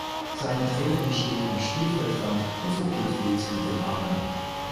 Seine Trainerin steht am Spielfeldrand und fuchtelt wild mit den Armen.